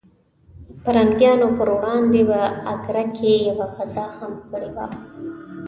د پرنګیانو پر وړاندې په اګره کې یوه غزا هم کړې وه.